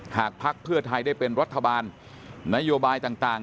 ภักดิ์เพื่อไทยได้เป็นรัฐบาลนโยบายต่าง